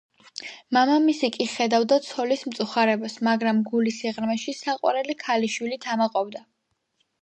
მამამისი კი ხედავდა ცოლის მწუხარებას, მაგრამ, გულის სიღრმეში საყვარელი ქალიშვილით ამაყობდა.